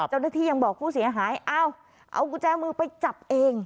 เจ้าหน้าที่ยังบอกผู้เสียหายเอ้าเอากุญแจมือไปจับเอง